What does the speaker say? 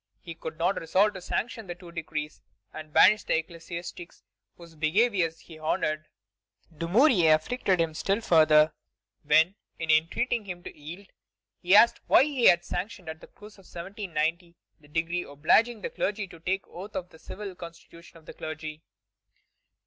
He could not resolve to sanction the two decrees, and banish the ecclesiastics whose behavior he honored. Dumouriez afflicted him still further, when, in entreating him to yield, he asked why he had sanctioned, at the close of 1790, the decree obliging the clergy to take oath to the civil constitution of the clergy.